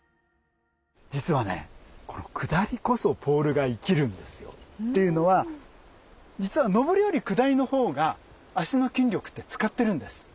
実はねこのくだりこそポールが生きるんですよ。というのは実はのぼりよりくだりのほうが脚の筋力って使ってるんです。